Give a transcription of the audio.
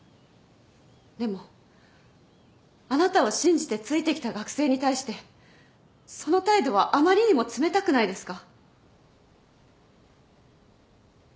でもあなたを信じて付いてきた学生に対してその態度はあまりにも冷たくないですか？